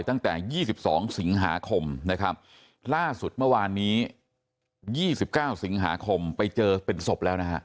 ตั้งแต่๒๒สิงหาคมนะครับล่าสุดเมื่อวานนี้๒๙สิงหาคมไปเจอเป็นศพแล้วนะฮะ